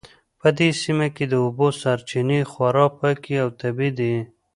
په دې سیمه کې د اوبو سرچینې خورا پاکې او طبیعي دي